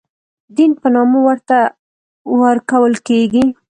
دین په نامه ورته ورکول کېږي.